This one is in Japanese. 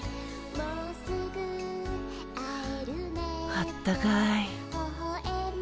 あったかい。